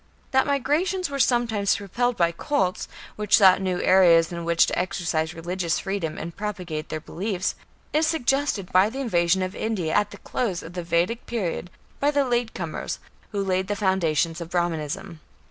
That migrations were sometimes propelled by cults, which sought new areas in which to exercise religious freedom and propagate their beliefs, is suggested by the invasion of India at the close of the Vedic period by the "later comers", who laid the foundations of Brahmanism.